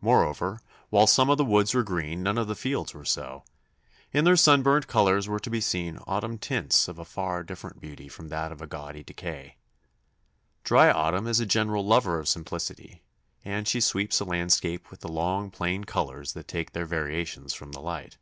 Moreover, while some of the woods were green, none of the fields were so. In their sunburnt colours were to be seen "autumn tints" of a far different beauty from that of a gaudy decay. Dry autumn is a general lover of simplicity, and she sweeps a landscape with long plain colours that take their variations from the light.